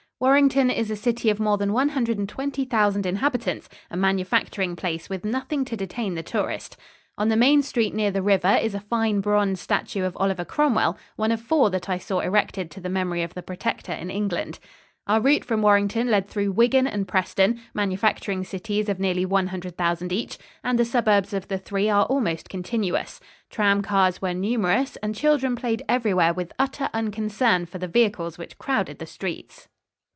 Warrington is a city of more than one hundred and twenty thousand inhabitants, a manufacturing place with nothing to detain the tourist. On the main street near the river is a fine bronze statue of Oliver Cromwell, one of four that I saw erected to the memory of the Protector in England. Our route from Warrington led through Wigan and Preston, manufacturing cities of nearly one hundred thousand each, and the suburbs of the three are almost continuous. Tram cars were numerous and children played everywhere with utter unconcern for the vehicles which crowded the streets.